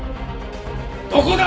どこだ！？